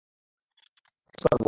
আপনাকে অনেক মিস করব।